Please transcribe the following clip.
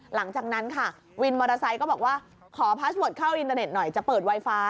หลังจากนั้นค่ะวินมอเตอร์ไซค์ก็บอกว่าขอพาสเวิร์ดเข้าอินเทอร์เน็ตหน่อยจะเปิดไฟฟ้า